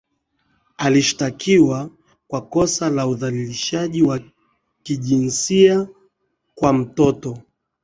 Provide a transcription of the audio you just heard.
Alishtakiwa kwa kosa la udhalilishaji wa kijinsia kwa mtoto